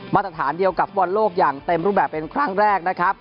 มาตรฐานเดียวกับฟุตบอลโลกอย่างเต็มรูปแบบเป็นครั้งแรกนะครับ